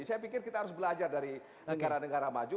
saya pikir kita harus belajar dari negara negara maju